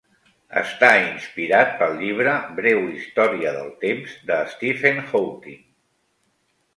Està inspirat pel llibre "Breu història del temps, de Stephen Hawking.